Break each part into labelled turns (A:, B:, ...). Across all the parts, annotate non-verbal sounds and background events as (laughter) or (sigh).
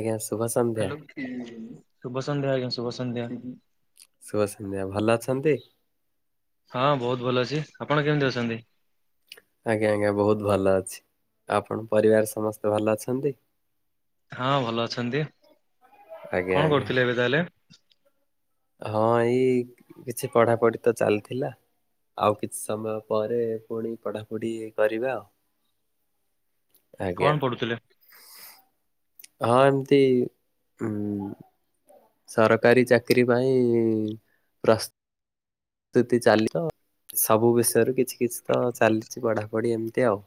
A: ଆଜ୍ଞା ଶୁଭ ସନ୍ଧ୍ୟା।
B: ଶୁଭସନ୍ଧ୍ୟା ଆଜ୍ଞା ଶୁଭସନ୍ଧ୍ୟା।
A: ଶୁଭ ସନ୍ଧ୍ୟା ଭଲ ଅଛନ୍ତି।
B: ହଁ, ବହୁତ ଭଲ ଅଛି ଆପଣ କେମିତି ଅଛନ୍ତି?
A: ଆଜ୍ଞା ଆଜ୍ଞା ବହୁତ ଭଲ ଅଛି ଆପଣ ପରିବାର ସମସ୍ତେ ଭଲ ଅଛନ୍ତି।
B: ହଁ, ଭଲ ଅଛନ୍ତି
A: ଆଜ୍ଞା
B: କଣ
A: ଆଜ୍ଞା
B: କରୁଥିଲେ ଏବେ ତାହେଲେ?
A: ହଁ, ଏଇ କିଛି ପଢାପଢି ତ ଚାଲିଥିଲା। ଆଉ କିଛି ସମୟ ପରେ ପୁଣି ପଢାପଢି କରିବା।
B: କଣ
A: ଆଜ୍ଞା।
B: ପଢୁଥିଲେ?
A: ହଁ ଏମତି ଉଁ ସରକାରୀ ଚାକିରିୀ ପାଇଁ ପ୍ରସ୍ତ ସ୍ତୁତି ଚାଲି ତ? ସବୁ ବିଷୟରୁ କିଛି କିଛି ତ ଚାଲିଛି ପଢାପଢି ଏମିତି ଆଉ।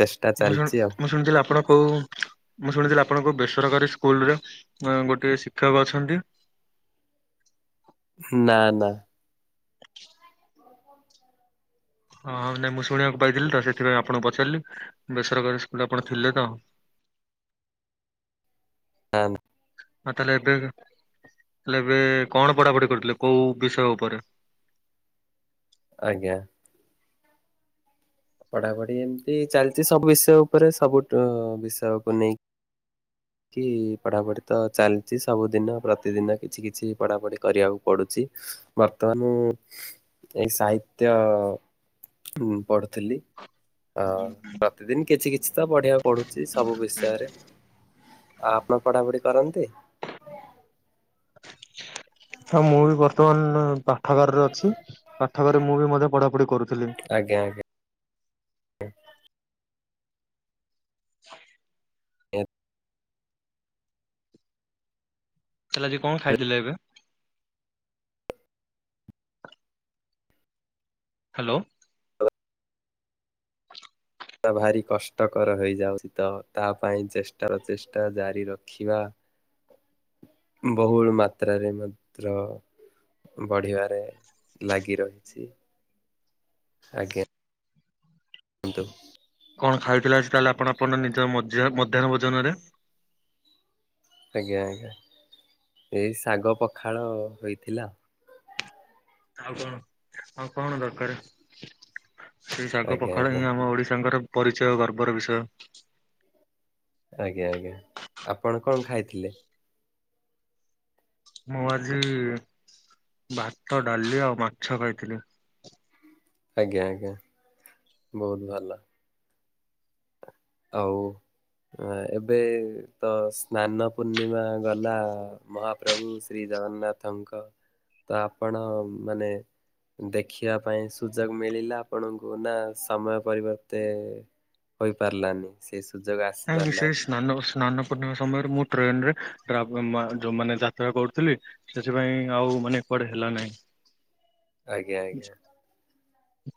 A: ଚେଷ୍ଟ
B: ମୁଁ ଶୁଣ ମୁଁ ଶୁଣିଥିଲି ଆପଣ କ ହଉ। ମୁଁ ଶୁଣିଥିଲି ଆପଣଙ୍କ ବେସରକାରୀ ସ୍କୁଲରେ ଅଁ ଗୋଟିଏ ଶିକ୍ଷକ ଅଛନ୍ତି?
A: ନା ନା।
B: ହଁ, ନାଇଁ ମୁଁ ଶୁଣିବାକୁ ପାଇଥିଲି ତ ସେଥିପାଇଁ ଆପଣଙ୍କୁ ପଚାରିଲି। ବେସରକାରୀ ସ୍କୁଲ ଆପଣ ଥିଲେ ତ?
A: ନା ନା।
B: ହଁ ତାହଲେ ଏବେ ତାହେଲେ ଏବେ କଣ ପଢାପଢି କରୁଥିଲେ କୋଉ ବିଷୟ ଉପରେ?
A: ଆଜ୍ଞା। ପଢାପଢି ଏମିତି ଚାଲିଛି ସବୁ ବିଷୟ ଉପରେ। ସବୁ ଟ ବିଷୟକୁ ନେଇକି।
B: ହଁ (inaudible)
A: କି ପଢ଼ାପଢ଼ି ତ ଚାଲିଛି ସବୁଦିନ। ପ୍ରତିଦିନ କିଛି କିଛି ପଢ଼ାପଢ଼ି କରିବାକୁ ପଡ଼ୁଛି। ବର୍ତ୍ତମାନ ଏଇ ସାହିତ୍ୟ ଉଁ ପଢୁ ଥିଲି। ପ୍ରତିଦିନ କିଛି କିଛି ତ ପଢିବାକୁ ପଡୁଛି ସବୁ ବିଷୟରେ। ଆଉ ଆପଣ ପଢ଼ାପଢ଼ି କରନ୍ତି?
B: ହଁ ମୁଁ ବି ବର୍ତ୍ତମାନ ପାଠାଗାରରେ ଅଛି। ପାଠାଗାରରେ ମୁଁ ବି ମଧ୍ୟ ପଢାପଢି କରୁଥିଲି।
A: ଆଜ୍ଞା ଆଜ୍ଞା।
B: (inaudible)
A: ଓ
B: ତାହେଲେ ଆଜି କଣ ଖାଇଥିଲେ ଏବେ? ହ୍ୟାଲୋ।
A: ଭାରି କଷ୍ଟକର ହେଇଯାଉଛି ତ। ତା ପାଇଁ ଚେଷ୍ଟା ପ୍ରଚେଷ୍ଟା ଜାରି ରଖିବା
B: (inaudible)
A: ବହୁଳୁ ମାତ୍ରାରେ ମତ୍ର ବଢିବାରେ ଲାଗି ରହିଛି। ଆଜ୍ଞା। କିନ୍ତୁ
B: କଣ ଖାଇଥିଲେ ଆଜି ତାହେଲେ ଆପଣ ଆପଣଙ୍କ ନିଜ ମଧ୍ୟା ମଧ୍ୟାହ୍ନ ଭୋଜନରେ?
A: ଆଜ୍ଞା ଆଜ୍ଞା। ଏଇ ଶାଗ ପଖାଳ ହୋଇଥିଲା।
B: ଆଉ କଣ, ଆଉ କଣ ଦରକାର? ସେଇ ଶାଗ
A: ଆଜ୍ଞା
B: ପଖାଳ
A: ଆଜ୍ଞା
B: ହିଁ ଆମ ଓଡିଶାଙ୍କର ପରିଚୟ, ଗର୍ବର ବିଷୟ।
A: ଆଜ୍ଞା ଆଜ୍ଞା। ଆପଣ କଣ ଖାଇଥିଲେ?
B: ମୁଁ ଆଜି ଭାତ, ଡାଲି ଆଉ ମାଛ ଖାଇଥିଲି।
A: ଆଜ୍ଞା, ଆଜ୍ଞା। ବହୁତ ଭଲ। ଆଉ ଏବେ ତ ସ୍ନାନ ପୂର୍ଣ୍ଣିମା ଗଲା ମହା ପ୍ରଭୁ ଶ୍ରୀ ଜଗନ୍ନାଥଙ୍କ। ତ ଆପଣ ମାନେ ଦେଖିବା ପାଇଁ ସୁଯୋଗ ମିଳିଲା ଆପଣଙ୍କୁ ନା ସମୟ ପରିବର୍ତ୍ତେ ପାରିିଲାନି। ସେ ସୁଯୋଗ ଆସ
B: କାହଁକି ସେଇ ସ୍ନାନକୁ ସ୍ନାନ ପୂ ପୂର୍ଣ୍ଣିମା ସମୟରେ ମୁଁ ଟ୍ରେନରେ ଆ ଯୋଉ ମାନେ ଯାତ୍ରା କରୁଥିଲି। ସେଥିପାଇଁ ଆଉ ମାନେ କୁଆଡେ ହେଲା ନାହିଁ।
A: ଆଜ୍ଞା, ଆଜ୍ଞା।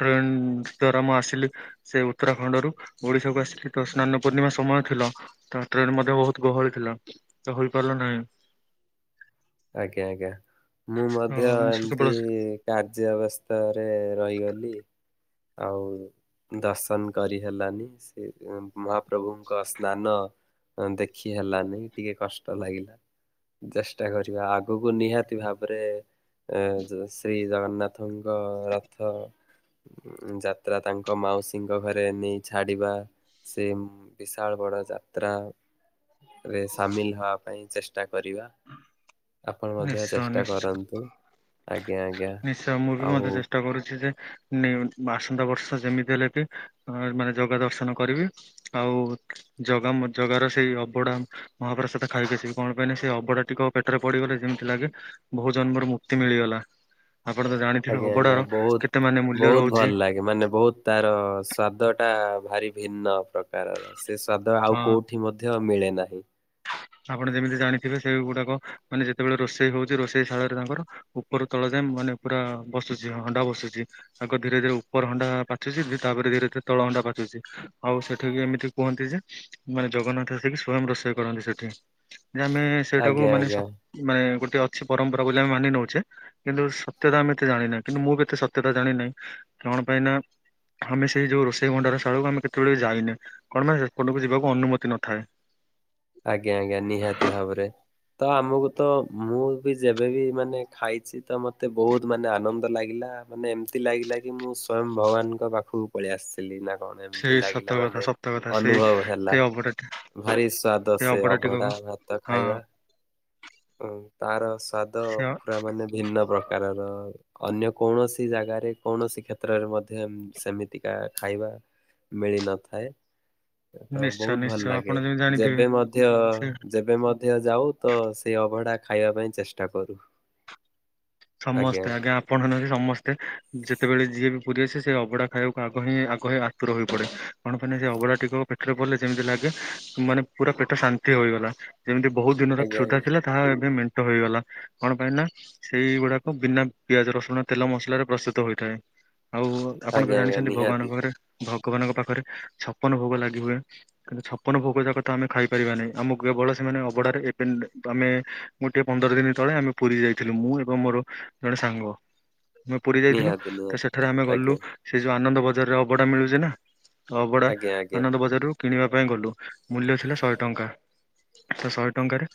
B: ଟ୍ରେନ ଦ୍ୱାରା ମୁ ଆସିଲି। ସେ ଉତ୍ତରାଖଣ୍ଡରୁୁ ଓଡିଶାକୁ ଆସିଲି ତ ସ୍ନାନ ପୂର୍ଣ୍ଣିମା ସମୟ ଥିଲା। ତ ଟ୍ରେନ ମଧ୍ୟ ବହୁତ ଗହଳି ଥିଲା ତ ହୋଇପାରିଲା ନାହିଁ।
A: ଆଜ୍ଞା ଆଜ୍ଞା ମୁଁ
B: ତ
A: ମଧ୍ୟ
B: ମୁଁ ସେ କେବଳ
A: ଏମିତି କାର୍ଯ୍ୟ ଅବସ୍ଥାରେ ରହିଗଲି ଆଉ ଦର୍ଶନ କରି ହେଲାନି ସେ ମହାପ୍ରଭୁଙ୍କ ସ୍ନାନ ହ ଦେଖି ହେଲାନି ଟିକେ କଷ୍ଟ ଲାଗିଲା ଚେଷ୍ଟା କରି ଭେଟିବା ଆଗକୁ ନିହାତି ଭାବରେ ଏ ଯୋ ଶ୍ରୀ ଜଗନ୍ନାଥଙ୍କ ରଥ ଉମ ଯାତ୍ରା ତାଙ୍କ ମାଉସୀଙ୍କ ଘରେ ନେଇ ଛାଡିବା। ସେ ବିଶାଳ ବଡ ଯାତ୍ରା। ରେ ସାମିଲ ହବା ପାଇଁ ଚେଷ୍ଟା କରିବା। ଆପଣ ମଧ୍ୟ
B: ନିଶ୍ଚୟ
A: ଚେଷ୍ଟା
B: ନିଶ୍ଚୟ।
A: କରନ୍ତୁ ଆଜ୍ଞା ଆଜ୍ଞା।
B: ନିଶ୍ଚୟ ମୁଁ ବି
A: ଆଉ
B: ମଧ୍ୟ ଚେଷ୍ଟା କରୁଛି ଯେ ନିଉତି ଆସନ୍ତା ବର୍ଷ ଯେମିତି ହେଲେ ବି ମାନେ ଜଗା ଦର୍ଶନ କରିବି। ଆଉ ଜଗା ମ ଜଗା ର ସେଇ ଅଭଡ଼ା ମହାପ୍ରସାଦ ତ ଖାଇକି ଆସିବି କଣ ପାଇଁ ସେ ଅଭଡ଼ା ଟିକ ପେଟରେ ପଡିଗଲେ ଯେମିତି ଲାଗେ ବହୁ ଜନ୍ମରୁ ମୁକ୍ତି ମିଳିଗଲା। ଆପଣ ତ ଜାଣିଥିବେ
A: ଆଜ୍ଞା
B: ଅଭଡ଼ାର କେତେ ମାନେ ମୂଲ୍ୟ ରହୁଛି।
A: ଏ ମାନେ ବହୁତ ତାର ସ୍ଵାଦ ଟା ଭାରି ଭିନ୍ନ ପ୍ର କାରର ସେ ସ୍ଵାଦ ଆଉ
B: ଅ
A: କୋଉଠି ମଧ୍ୟ ମିଳେ ନାହିଁ।
B: ଆପଣ ଯେମିତି ଜାଣିଥିବେ ସେଗୁଡାକ ମାନେ ଯେତେବେଳେ ରୋଷେଇ ହଉଛି ରୋଷେଇ ଶାଳରେ ତାଙ୍କର ଉପରୁ ତଳ ଯାଏ ମାନେ ପୁରା ବସୁଛି ହଣ୍ଡା ବସୁଛି। ଆଗ ଧୀରେ ଧୀରେ ଉପର ହଣ୍ଡା ପାଚୁଛି ତାପରେ ଧୀରେ ଧୀରେ ତଳ ହଣ୍ଡା ପାଚୁଛି। ଆଉ ସେଠିକି ଏମିତି କୁହନ୍ତି ଯେ ମାନେ ଜଗନ୍ନାଥ ଆସିକି ସ୍ଵୟଂ ରୋଷେଇ କରନ୍ତି ସେଠି ଯେ ଆମେ ସେଇଟାକୁ
A: ଆଜ୍ଞା
B: ମାନେ
A: ଆଜ୍ଞା
B: ମାନେ ଗୋଟେ ଅଛି ପରମ୍ପରା ବୋଲି ଆମେ ମାନି ନଉଛେ। କିନ୍ତୁ ସତ୍ୟତାଆମେ ଏତେ ଜାଣିନାହେ କିନ୍ତୁ ମୁଁ ବି ଏତେ ସତ୍ୟତା ଜାଣିନାହିଁ କଣ ପାଇଁ ନା ଆମେ ସେଇ ଯେଉଁ ରୋଷେଇ ଭଣ୍ଡାର ଶାଳକୁ ଆମେ କେତେବେଳେ ଯାଇନେ କଣ ପାଇଁ ସେପଟକୁ ଯିବାକୁ ଅନୁମତି ନଥାଏ।
A: ଆଜ୍ଞା ଆଜ୍ଞା ନିହାତି ଭାବରେ। ତ ଆମକୁ ତ ମୁଁ ବି ଯେବେବି ମାନେ ଖାଇଛି ତ ମତେ ବହୁତ ମାନେ ଆନନ୍ଦ ଲାଗିଲା। ମାନେ ଏମିତି ଲାଗିଲା କି ମୁଁ ସ୍ଵୟଂ ଭଗବାନଙ୍କ ପାଖକୁ ପଳେଇ ଆସିଲି ନା କଣ ଏମିତି
B: ସେଇ
A: ଲାଗିଲା
B: ସତ କଥା
A: ମାନେ
B: ସତ କଥା ସେଇ
A: ଅନୁଭବ ହେଲା
B: ସେଇ ଅବଢା
A: ଭାରି ସ୍ଵା ଦ ସେ
B: ଅବଢା
A: ଅଭଢା
B: ଟିକକ
A: ଭାତ ଖାଇବା
B: ହଁ
A: ତାର ସ୍ଵାଦ
B: ସେ
A: ପୁରା ମାନେ ଭିନ୍ନ ପ୍ରକାରର। ଅନ୍ୟ କୌଣସି ଜାଗାରେ କୌଣସି କ୍ଷେତ୍ରରେ ମଧ୍ୟ ଉମ୍ ସେମିତିକା ଖାଇବା ମିଳିନଥାଏ ତ
B: ନିଶ୍ଚୟ
A: ବହୁତ ଭଲ
B: ନିଶ୍ଚୟ ଆପଣ
A: ଲାଗେ
B: ଯେମିତି ଜାଣିଥିବେ
A: ଯେବେ ମଧ୍ୟ
B: ସେ
A: ଯେବେ ମଧ୍ୟ ଯାଉ ତ ସେଇ ଅଭଢ଼ା ଖାଇବା ପାଇଁ ଚେଷ୍ଟା କରୁ।
B: ସମସ୍ତେ ଆଜ୍ଞା ଆପଣ ସମସ୍ତେ ଯେତେବେଳେ ଯିଏ ବି ପୁରୀ ଆସେ ସେ ଅବଡ଼ା ଖାଇବାକୁ ଆଗ ହିଁ ଆଗ ହିଁ ଆତୁର ହୋଇ ପଡେ। କଣ ପାଇଁନା ସେ ଅଭଡ଼ା ଟିକକ ପେଟରେ ପଡ଼ିଲେ ଯେମିତି ଲାଗେ ମାନେ ପୁରା ପେଟ ଶାନ୍ତି ହୋଇଗଲା। ଯେମିତି ବହୁତ ଦିନର
A: ଆଜ୍ଞା
B: କ୍ଷୁଧା
A: ଆଜ୍ଞା
B: ଥିଲା ତାହା ଏବେ ମେଣ୍ଟ ହେଇଗଲା କଣ ପାଇଁ ନା ସେଇଗୁଡ଼ାକ ବିନା ପିଆଜ, ରସୁଣ, ତେଲ, ମସଲାରେ ପ୍ରସ୍ତୁତ ହୋଇଥାଏ, ଆଉ ଆପଣ
A: ଆଜ୍ଞା
B: ତ
A: ଆଜ୍ଞା
B: ଜାଣିଛନ୍ତି
A: ନିହାତି
B: ଭଗବାନଙ୍କ ଘରେ ଭଗବାନଙ୍କ ପାଖରେ ଛପନ ଭୋଗ ଲାଗି ହୁଏ। କିନ୍ତୁ ଛପନ ଭୋଗ ଜାକ ତ ଆମେ ଖାଇପାରିବାନାହିଁ, ଆମକୁ କେବଳ ସେମାନେ ଅବଢାରେ (unintelligible) ଆମେ ମୁଁ ଟିକେ ପନ୍ଦର ଦିନ ତଳେ ଆମେ ପୁରୀ ଯାଇଥିଲୁ, ମୁଁ ଏବଂ ମୋର ଜଣେ ସାଙ୍ଗ, ଆମେ ପୁରୀ ଯାଇଥିଲୁ,
A: ନିହାତି
B: ତ
A: ନିହାତି
B: ସେଠାରେ ଆମେ ଗଲୁ
A: ଆଜ୍ଞା
B: ସେ ଯୋଉ ଆନନ୍ଦ ବଜାରେ ଅବଡା ମିଳୁଛି ନା, ଅବଡା
A: ଆଜ୍ଞା ଆଜ୍ଞା
B: ଆନନ୍ଦ ବଜାରରୁୁ କିଣିବା ପାଇଁ ଗଲୁ। ମୂଲ୍ୟ ଥିଲା ଶହେ ଟଙ୍କା। ତ ଶହେ ଟଙ୍କାରେ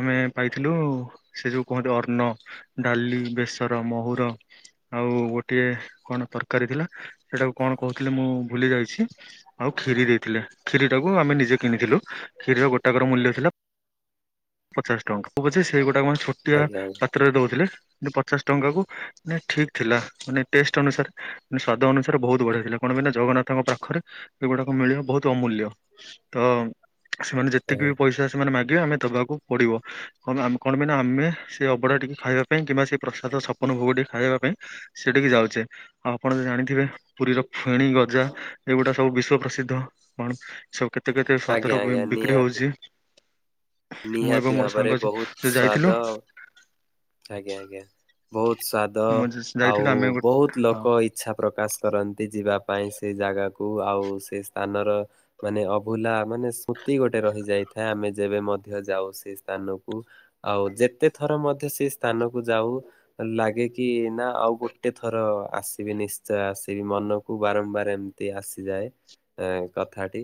B: ଆମେ ପାଇଥିଲୁ, ସେ ଯୋଉ କୁହନ୍ତି ଅର୍ଣ୍ଣ ଡାଲି, ବେସର, ମହୁୁର ଆଉ ଗୋଟିଏ କଣ ତରକାରୀ ଥିଲା? ସେଇଟାକୁ କଣ କହୁଥିଲେ, ମୁଁ ଭୁଲି ଯାଇଛି। ଆଉ କ୍ଷୀରି ଦେଇଥିଲେ। କ୍ଷୀରି ଟାକୁ ଆମେ ନିଜେ କିଣିଥିଲୁ, କ୍ଷୀରିର ଗୋଟାକର ମୂଲ୍ୟ ଥିଲା ପଚାଶ ଟଙ୍କା, ହେଉ ପଛ ସେଇ ଗୁଟାକ ଛୋଟିଆ
A: ଆଜ୍ଞା
B: ପାତ୍ରରେ ଦଉଥିଲେ। ପଚାଶ ଟଙ୍କା କୁ ନେ ଠିକ୍ ଥିଲା। ମାନେ ଟେଷ୍ଟ ଅନୁସାରେ ସ୍ଵାଦ ଅନୁସାରେ ବହୁତ ବଢିଆ ଥିଲା। କଣ ବିନା ଜଗନ୍ନାଥଙ୍କ ପାଖରେ ଏଗୁଡାକ ମିଳିବା ବହୁତ୍ ଅମୂଲ୍ୟ ତ ସେମାନେ ଯେତିକି ବି ପଇସା ସେମାନେ ମାଗିବେ ଆମେ ଦବାକୁ ପଡିବ। କଣପାଇଁ ଆମ କଣ ପାଇଁ ନା ଆମେ, ସେ ଅବଢା ଟିକେ ଖାଇବା ପାଇଁ କିମ୍ବା ସେ ପ୍ରସାଦ ଛପନ ଭୋଗ ଟିକେ ଖାଇବା ପାଇଁ ସେଠିକି ଯାଉଚେ। ଆଉ ଆପଣ ଜାଣିଥିବେ, ପୁରୀର ଫେଣି ଗଜା ଏଇଗୁଟା ସବୁ ବିଶ୍ଵ ପ୍ରସିଦ୍ଧ। କଣ ସବୁ କେତେ-କେତେ ସ୍ଵାଦ
A: ଆଜ୍ଞା ଆଜ୍ଞା ଆଜ୍ଞା
B: ର ବି
A: ଆଜ୍ଞା
B: ବିକ୍ରି
A: ନିହାତି
B: ହଉଚି।
A: ନିହାତି ଭାବରେ ବହୁତ୍
B: ଯୋଉ
A: ସ୍ଵାଦ
B: ଯାଇଥିଲୁ
A: ଆଜ୍ଞା-ଆଜ୍ଞା ବହୁତ୍ ସ୍ୱାଦ,
B: ମୁଁ
A: ଆଉ
B: ଯାଇଥିଲୁ ଆମେ ଗୋଟେ
A: ବହୁତ୍
B: ହଁ
A: ଲୋକ ଇ ଇଚ୍ଛା ପ୍ରକାଶ କରନ୍ତି ଯିବା ପାଇଁ ସେ ଜାଗାକୁ, ଆଉ ସେ ସ୍ଥାନର ମାନେ ଅଭୁଲା ମାନେ ସ୍ମୁତି ଗୋଟେ ରହିଯାଇଥାଏ, ଆମେ ଯେବେ ମଧ୍ୟ ଯାଉ ସେ ସ୍ଥାନକୁ। ଆଉ ଯେତେ ଥର ମଧ୍ୟ ସେ ସ୍ଥାନକୁ ଯାଉ ଲାଗେ କି, ନା ଆଉ ଗୋଟେ ଥର ଆସିବି ନିଶ୍ଚୟ ଆସିବି, ମନକୁ ବାରମ୍ବାର ଏମ୍ ତି ଆସିଯାଏ। ଏଁ କଥାଟି,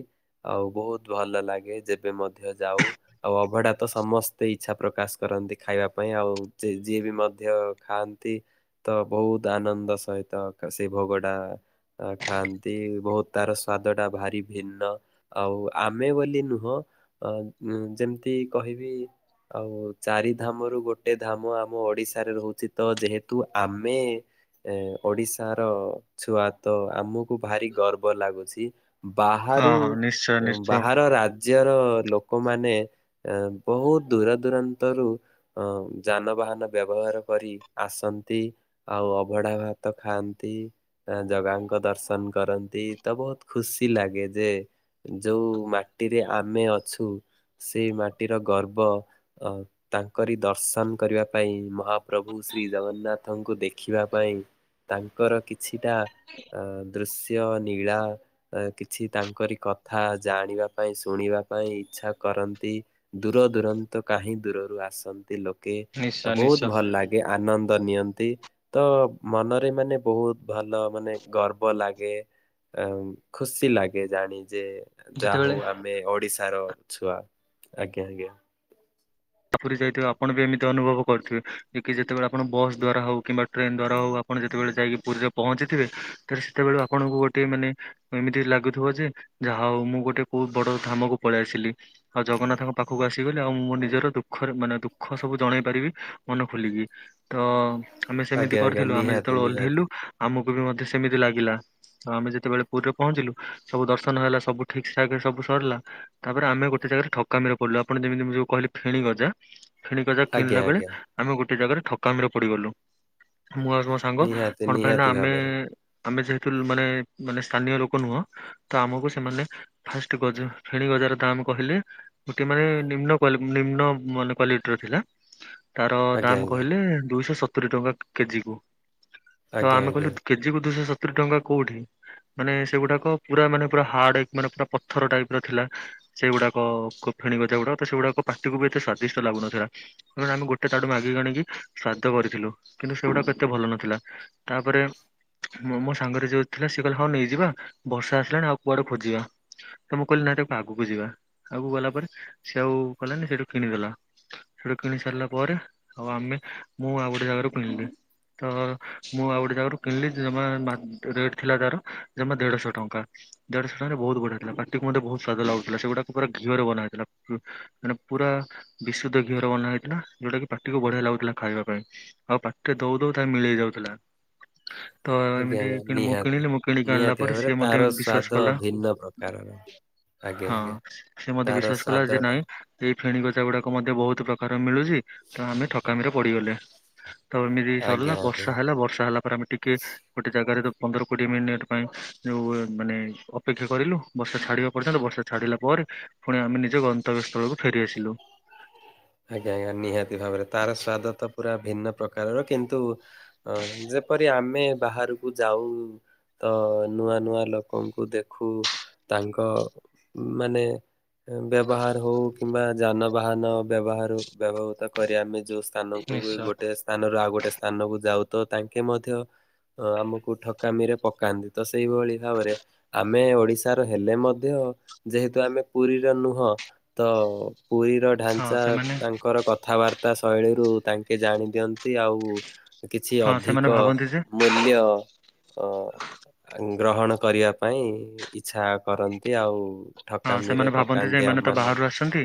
A: ଆଉ ବହୁତ୍ ଭଲଲାଗେ ଯେବେ ମଧ୍ୟ ଯାଉ। ଆଉ ଅଭଢା ତ ସମସ୍ତେ ଇଚ୍ଛା ପ୍ରକାଶ କରନ୍ତି ଖାଇବା ପାଇଁ, ଆଉ ଯେ ଯିଏ ବି ମଧ୍ୟ ଖାଆନ୍ତି ତ ବହୁତ ଆନନ୍ଦ ସହିତ ସେ ଭୋଗଟା ଅ ଖାଆନ୍ତି ବହୁତ୍ ତାର ସ୍ଵାଦଟା ଭାରି ଭିନ୍ନ। ଆଉ ଆମେ ବୋଲି ନୁହଁ, ଅ ଉ ଯେମ୍ ତି କହିବି, ଆଉ ଚାରି ଧାମରୁ ଗୋଟେ ଧାମ ଆମ ମୁ ଓଡିଶାରେ ରହୁଚି ତ, ଯେହେତୁ ଆମେ ଏ ଓଡିଶାର ଛୁଆ ତ, ଆମକୁ ଭାରି ଗର୍ବ ଲାଗୁଛି।
B: ହଁ
A: ବାହାରୁ,
B: ହଁ ନିଶ୍ଚୟ ନିଶ୍ଚୟ
A: ବାହାର ରାଜ୍ୟର ଲୋକମାନେ ଏଁ ବହୁତ୍ ଦୂର ଦୂରାନ୍ତରୁ ଅ, ଯାନବାହାନ ବ୍ୟବହାର କରି ଆସନ୍ତି। ଆଉ ଅଭଢା ଭାତ ଖାଆନ୍ତି। ଏ ଜଗାଙ୍କ ଦର୍ଶନ କରନ୍ତି ତ ବହୁତ ଖୁସି ଲାଗେ, ଯେ ଯୋଉ ମାଟିରେ ଆମେ ଅଛୁ, ସେ ମାଟିର ଗର୍ବ, ଅ ତାଙ୍କରି ଦର୍ଶନ କରିବା ପାଇଁ, ମହାପ୍ରଭୁ ଶ୍ରୀ ଜଗନ୍ନାଥଙ୍କୁ ଦେଖିବା ପାଇଁ ତାଙ୍କର କିଛିଟା ଅ ଦୃଶ୍ୟ ନୀଳା ଏ କିଛି ତାଙ୍କରି କଥା ଜାଣିବା ପାଇଁ ଶୁଣିବା ପାଇଁ ଇଚ୍ଛା କରନ୍ତି। ଦୂର ଦୂୁରନ୍ତ କାହିଁ ଦୂରରୁ ଆସନ୍ତି ଲୋକେ,
B: ନିଶ୍ଚୟ
A: ବହୁତ୍
B: ନିଶ୍ଚୟ
A: ଭଲ୍ ଲା କିଏ ଆନନ୍ଦ ନିଅନ୍ତି। ତ ମନରେ ମାନେ ବହୁତ୍ ଭଲ ମାନେ ଗର୍ବ ଲାଗେ। ଆ ଖୁସି ଲାଗେ ଜାଣି ଯେ,
B: ଯେତେବେଳେ
A: ଯାହଉ ଆମେ ଓଡିଶାର ଛୁଆ। ଆଜ୍ଞା ଆଜ୍ଞା।
B: ପୁରୀ ଯାଇଥିବେ ଆପଣ ବି ଏମିତି ଅନୁଭବ କରୁିଥିବେ, କି ଯେତେବେଳେ ଆପଣ ବସ୍ ଦ୍ଵାରା ହୋଉ କିମ୍ବା ଟ୍ରେନ୍ ଦ୍ଵାରା ହୋଉ ଆପଣ ଯେତେବେଳେ ଯାଇକି ପୁରୀରେ ପହଞ୍ଚିଥିବେ ତ ସେତେବେଳେ ଆପଣଙ୍କୁ ଗୋଟଏ ମାନେ ଏମିତି ଲାଗୁଥିବ ଯେ ଯାହା ହୋଉ ମୁଁ ଗୋଟେ କୋଉ ବଡ଼ ଧାମକୁ ପଳେଇ ଆସିଲି। ଆଉ ଜଗନ୍ନାଥଙ୍କ ପାଖକୁ ଆସିଗଲି, ଆଉ ମୁଁ ମୋ ନିଜର ଦୁ ଖରେ ମାନେ ଦୁଃଖ ସବୁ ଜଣେଇ ପାରିବି ମନ ଖୋଲିକି। ତ ଆମେ ସେମିତି
A: ଆଜ୍ଞା ଆଜ୍ଞା
B: କରିଥିଲୁ ଆମେ
A: ନିହାତି
B: ଯେତେବେଳେ
A: ନିହାତି
B: ଓହ୍ଲେଇଲୁ ଆମକୁ ବି ମଧ୍ୟ ସେମିତି ଲାଗିଲା। ତ ଆମେ ଯେତେବେଳେ ପୁରୀରେ ପହଞ୍ଚିଲୁ ସବୁ ଦର୍ଶନ ହେଲା ସବୁ ଠିକ୍ ଠାକ୍ ରେ ସବୁ ସରିଲା। ତାପରେ ଆମେ ଗୋଟେ ଜାଗାରେ ଠକାମିରେ ପିଡିଲୁ ଆପଣ ଯେମିତି ମୁଁ ଯୋଉ କହିଲି ଫେଣିି ଗଜା ଫେଣି ଗଜା
A: ଆଜ୍ଞା
B: କିଣିଲା ବେଳେ
A: ଆଜ୍ଞା
B: ଆମେ ଗୋଟେ ଜାଗାରେ ଠକାମିରେ ପଡି ଗଲୁ, ମୁଁ ଆଉ ମୋ ସାଙ୍ଗ
A: ନିହାତି
B: କଣ ପାଇଁ ନା
A: ନିହାତି ଭାବରେ
B: ଆମେ-ଆମେ ଯେହେତୁ ମାନେ-ମାନେ ସ୍ଥାନୀୟ ଲୋକ ନୁହଁ ତ ଆମକୁ ସେମାନେ ଫାଷ୍ଟ ଗଜା ଫେଣି ଗଜାର ଦାମ୍ କହିଲେ ଗୋଟିଏ ମାନେ ନିମ୍ନ କ୍ୱାଲି ନିମ୍ନ ମାନ କ୍ଵାଲିଟି ର ଥିଲା ତାର
A: ଆଜ୍ଞା
B: ଦାମ୍
A: ଆଜ୍ଞା
B: କହିଲେ ଦୁଇଶହ ସ ସତୁରି ଟଙ୍କା କେଜି କୁ ତ
A: ଆଜ୍ଞା
B: ଆମେ
A: ଆଜ୍ଞା
B: କହିଲୁ କେଜି କୁ ଦୁଇଶହ ସତୁରି ଟଙ୍କା କୋଉଠି? ମାନେ ସେଗୁଡାକ ପୁରା ମାନେ ପୁରା ହାର୍ଡ ମାନେ ପୁରା ପଥର ଟାଇପ୍ ର ଥିଲା। ସେଗୁଡାକ ଫେଣୀ ଗଜା ଗୁଡାକ ସେଗୁଡାକ ପାଟିକୁ ବି ଏତେ ସ୍ଵାଦିଷ୍ଟ ଲାଗୁନଥିଲା। କାର ଆମେ ଗୋଟେ ତାଡୁ ମାଗି ଆଣିକି ସ୍ୱାଦ କରିଥିଲୁ କିନ୍ତୁ ସେଗୁଡାକ ଏତେ ଭଲ ନଥିଲା। ତାପରେ ମୋ ସାଙ୍ଗରେ ଯିଏ ଥିଲା ସେଏ କହିଲେ ହଁ ନେଇଯିବା ବର୍ଷା ଆସିଲାଣି ଆଉ କୁଆଡେ ଖୋଜିବା। ତ ମୁଁ କହିଲି ନା ତାକୁ ଆଗକୁ ଯିବା ଆଗକୁ ଗଲା ପରେ ସେ ଆଉ ଗଲାନି ସେଇଠୁ କିଣିଦେଲା। ସେଟୁ କିଣି ସାରିଲା ପରେ ଆଉ ଆମେ ମୁଁ ଆଉ ଗୋଟେ ଜାଗାରୁ କିଣିଲି। ତ ମୁଁ ଆଉ ଗୋଟେ ଜାଗାରୁ କିଣିଲି ଜମା ରେଟ ଥିଲା ତାର ଜମା ଦେଢଶହ ଟଙ୍କା। ଦେଢ଼ସ ଟଙ୍କାରେ ବହୁତ ବଢିଆ ଥିଲା ପାଟି ମଧ୍ୟ ବହୁତ ସ୍ଵାଦ ଲାଗୁଥିଲା ସେଗୁଟାକୁ ପୁରା ଘିଅ ବନି ହେଇଥିଲା ପୁ ମାନେ ପୁରା ବିଶୁଦ୍ଧ ଘିଅର ବନା ହେଇଥିଲା ଯୋଉଟା କି ପାଟିକୁ ବଢିଆ ଲାଗୁଥିଲା ଖାଇବା ପାଇଁ। ଆଉ ପାଖରେ ଦୋଉ ଦୋଉ ତା ମିଳେଇ ଯାଉଥିଲା। ତ
A: ଆଜ୍ଞା ଆଜ୍ଞା
B: ଏମିତି ମୁଁ
A: ନିହାତି
B: କିଣିଲି ମୁଁ କିଣିକି ଆଣିଲା
A: ନିହାତି
B: ପରେ
A: ଭାବରେ
B: ସିଏ ମଧ୍ୟ
A: ତାର
B: ବିଶ୍ଵାସ
A: ସ୍ଵାଦ
B: କଲା।
A: ଭିନ୍ନ ପ୍ରକାରର ଆଜ୍ଞା
B: ହଁ
A: ଆଜ୍ଞା
B: ସେ ମୋତେ
A: ତାର
B: ବିଶ୍ଵାସ କଲା ଯେ
A: ସ୍ଵାଦ ଟା
B: ନାଇଁ ଏଇ ଫେଣୀ ଗଜା ଗୁଡାକ ମଧ୍ୟ ବହୁତ ପ୍ରକାର ମିଳୁଚି ତେଣୁ ଆମେ ଠକାମି ରେ ପଡିଗଲେ। ତ ଏମିତି ସରିଲା
A: ଆଜ୍ଞା ଆଜ୍ଞା
B: ବର୍ଷା ହେଲା ବର୍ଷା ହେଲା ପରେ ଆମେ ଟିକେ ଗୋଟେ ଜାଗାରେ ତ ପନ୍ଦର କୋଡିଏ ମିନିଟ୍ ପାଇଁ ଯୋଉ ମାନେ ଅପେକ୍ଷା କରିଲୁ ବର୍ଷା ଛାଡ଼ିବା ପର୍ଯ୍ୟନ୍ତ ବର୍ଷା ଛାଡ଼ିଲା ପରେ ଫୁଣି ଆମେ ନିଜ ଗନ୍ତବ୍ୟ ସ୍ଥଳକୁ ଫେରିଆସିଲୁ।
A: ଆଜ୍ଞା ଆଜ୍ଞା ନିହାତି ଭାବରେ ତାର ସ୍ଵାଦ ତ ପୁରା ଭିନ୍ନ ପ୍ରକାରର କିନ୍ତୁ ହଁ ଯେପରି ଆମେ ବାହାରକୁ ଯାଉ ତ ନୂଆ ନୂଆ ଲୋକଙ୍କୁ ଦେଖୁ ତାଙ୍କ ମାନେ ବ୍ୟବହାର ହୋଉ କିମ୍ବା ଯାନବାହାନ ବ୍ୟବହାର ବ୍ୟବହୃତ କରି ଆମେ ଯେଉଁ ସ୍ଥାନକୁ
B: ନିଶ୍ଚୟ।
A: ଗୋଟେ ସ୍ଥାନରୁ ଆଉ ଗୋଟେ ସ୍ଥାନକୁ ଯାଉ ତ ତାଙ୍କେ ମଧ୍ୟ ତ ଆମକୁ ଠକାମିରେ ପକାନ୍ତି ତ ସେଇଭଳି ଭାବରେ ଆମେ ଓଡିଶାର ହେଲେ ମଧ୍ୟ ଯେହେତୁ ଆମେ ପୁରୀର ନୁହଁ ତ ପୁରୀର
B: ହଁ
A: ଚା
B: ସେମାନେ
A: ତାଙ୍କର କଥାବାର୍ତ୍ତା ଶୈଳୀରୁ ତାଙ୍କେ ଜାଣି ଦିଅନ୍ତି ଆଉ କିଛି
B: ହଁ ସେମାନେ
A: ଅଧିକ
B: ଭାବନ୍ତି ଯେ
A: ମୂଲ୍ୟ ଅ ଗ୍ରହଣ କରିବା ପାଇଁ ଇଚ୍ଛା କରନ୍ତି ଆଉ।
B: ହଁ
A: ଠକାମିରେ
B: ସେମାନେ ଭାବନ୍ତି ଯେ
A: ପକାନ୍ତି ଆମ
B: ଏମାନେ ତ ବାହାରୁ
A: ମାନଙ୍କୁ
B: ଆସଛନ୍ତି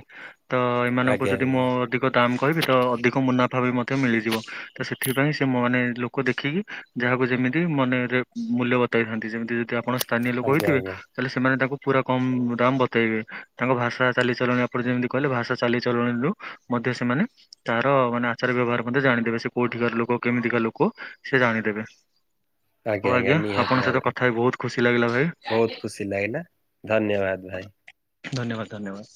B: ତ ଏମାନଙ୍କୁ
A: ଆଜ୍ଞା
B: ଯଦି ମୁଁ
A: ଆଜ୍ଞା
B: ଅଧିକ ଦାମ୍ କହିବି ତ ଅଧିକ ମୁନାଫା ବି ମଧ୍ୟ ମିଳିଯିବ ତ ସେଥିପାଇଁ ସେ ମାନେ ଲୋକ ଦେଖିକି। ଯାହାକୁ ଯେମିତି ମନେରେ ମୂଲ୍ୟ ବତାଇଥାନ୍ତି ଯେମିତି ଯଦି ଆପଣ। ସ୍ଥାନୀୟ ଲୋକ
A: ଆଜ୍ଞା ଆଜ୍ଞା
B: ହେଇଥିବେ ତାହେଲେ ସେମାନେ ତାଙ୍କୁ ପୁରା କମ। ଦାମ୍ ବତେଇବେ ତାଙ୍କ ଭାଷା ଚାଲିଚଳଣି ଆପଣ ଯେମିତି କହିଲେ ଭାଷା ଚାଲିଚଳଣିରୁୁ ମଧ୍ୟ ସେମାନେ। ତାର ମାନେ ଆଚାର ବ୍ୟବହାର ମଧ୍ୟେ ଜାଣିଦେବେ ସେ କୋଉଠିକାର ଲୋକ କେମିତିକା ଲୋକ ସେ ଜାଣିଦେବେ। ହଉ ଆଜ୍ଞା ଆପଣଙ୍କ ସହିତ କଥା ହି ବହୁତ ଖୁସି ଲାଗିଲା ଭାଇ।
A: ବହୁତ ଖୁସି ଲାଗିଲା ଧନ୍ୟବାଦ ଭାଇ।
B: ଧନ୍ୟବାଦ ଧନ୍ୟବାଦ।